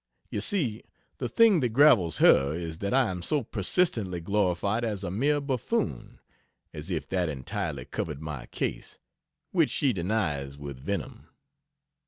You see, the thing that gravels her is that I am so persistently glorified as a mere buffoon, as if that entirely covered my case which she denies with venom.